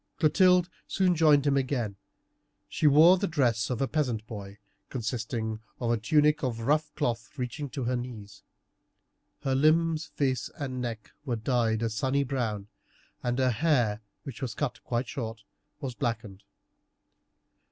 Clotilde soon joined him again. She wore the dress of a peasant boy, consisting of a tunic of rough cloth reaching to her knees. Her limbs, face, and neck were dyed a sunny brown, and her hair, which was cut quite short, was blackened.